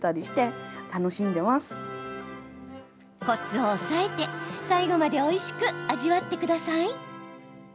コツを押さえて、最後までおいしく味わってください。